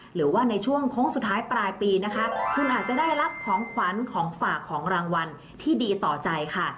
หรือว่าในช่วงโค้งสุดท้ายปลายปีนะคะคุณอาจจะได้รับของขวัญของฝากของรางวัลที่ดีต่อใจค่ะ